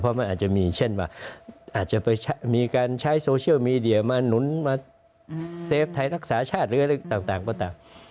มันอาจจะมีเช่นว่าอาจจะไปมีการใช้โซเชียลมีเดียมาหนุนมาเซฟไทยรักษาชาติหรืออะไรต่างก็ตาม